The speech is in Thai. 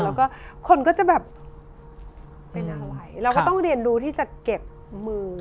แล้วก็คนก็จะแบบเป็นอะไรเราก็ต้องเรียนรู้ที่จะเก็บมือ